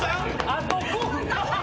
あと５分。